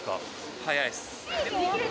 早いです。